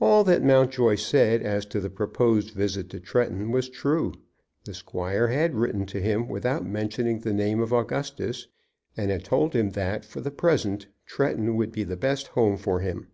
All that Mountjoy said as to the proposed visit to Tretton was true. The squire had written to him without mentioning the name of Augustus, and had told him that, for the present, Tretton would be the best home for him.